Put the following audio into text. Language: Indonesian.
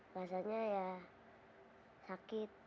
rasanya ya sakit